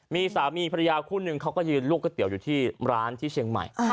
มีสามีภรรยาคู่นึงเขาก็ยืนลวกก๋วยเตี๋ยวอยู่ที่ร้านที่เชียงใหม่